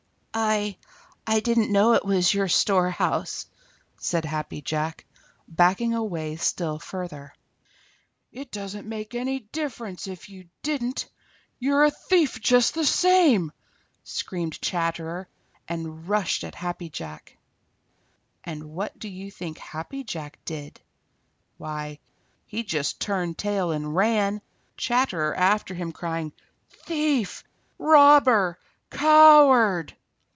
"I I didn't know it was your storehouse," said Happy Jack, backing away still further. "It doesn't make any difference if you didn't; you're a thief just the same!" screamed Chatterer and rushed at Happy Jack. And what do you think Happy Jack did? Why, he just turned tail and ran, Chatterer after him, crying "Thief! Robber! Coward!"